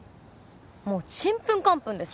もうちんぷんかんぷんです。